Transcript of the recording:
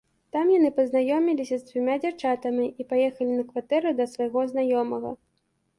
Там яны пазнаёміліся з дзвюма дзяўчатамі і паехалі на кватэру да свайго знаёмага.